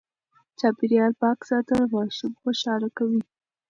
چاپېريال پاک ساتل ماشوم خوشاله کوي.